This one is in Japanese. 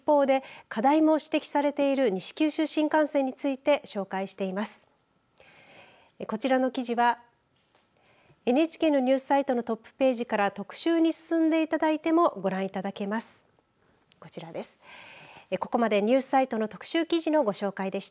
こちらの記事はＮＨＫのニュースサイトのトップページから特集に進んでいただいてもご覧いただけます。